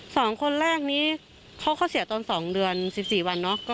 สองคนแรกนี้เขาเขาเสียตอน๒เดือน๑๔วันเนอะ